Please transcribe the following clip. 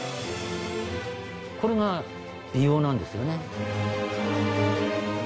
これが美容なんですよね。